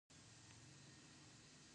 ښامار یا خفاش هم تی لرونکی دی